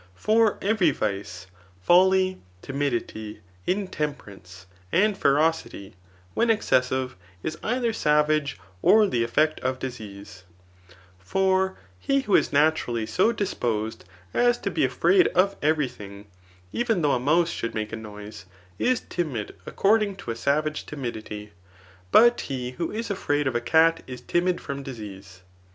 For every vice, folly, timidity, intemperance and ferocity, when excessive, is either savage or the effect of disease^ For he who is naturally so disposed as to be afraid of every thing, even though a mouse should make a noise, is timid according to a savage timidity; but he who is afraid of a cat is timid from disease.